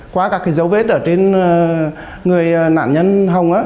qua các dấu vết ở trên người nạn nhân hồng á